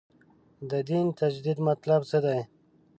د دین تجدید مطلب څه دی.